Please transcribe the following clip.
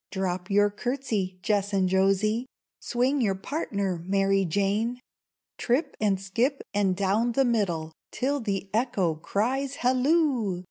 Drop your courtesy, Jess and Josie; Swing your partner, Mary Jane! Trip and skip, and down the middle, Till the Echo cries, "Halloo!